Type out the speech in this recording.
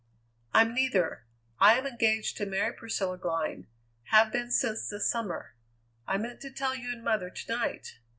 "I'm neither. I am engaged to marry Priscilla Glynn; have been since the summer. I meant to tell you and mother to night.